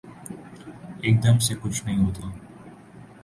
ایک دم سے کچھ نہیں ہوتا